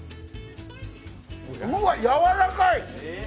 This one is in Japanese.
うわ、やわらかい！